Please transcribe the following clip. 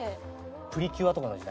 『プリキュア』とかの時代？